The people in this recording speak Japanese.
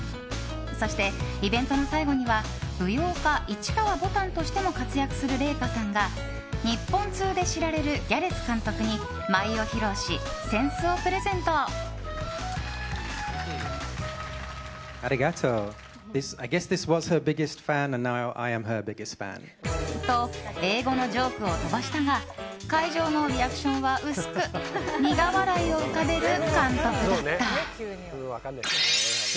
そして、イベントの最後には舞踊家・市川ぼたんとしても活躍する麗禾さんが日本通で知られるギャレス監督に舞を披露し、扇子をプレゼント。と、英語のジョークを飛ばしたが会場のリアクションは薄く苦笑いを浮かべる監督だった。